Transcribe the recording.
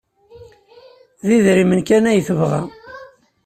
D idrimen kan ay tebɣa.